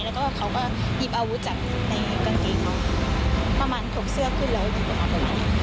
แล้วเขาก็หยิบอาวุธจากในกางเกงเขาประมาณถกเสื้อขึ้นแล้วอยู่ตรงนี้